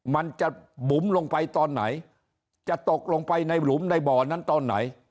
มันจะบุ๋มลงไปตอนไหนจะตกลงไปในหลุมในบ่อนั้นตอนไหน